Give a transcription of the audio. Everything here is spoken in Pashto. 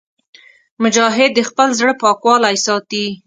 مجاهد د خپل زړه پاکوالی ساتي.